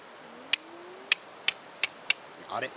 あれ？